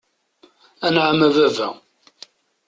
Anɛam, a baba.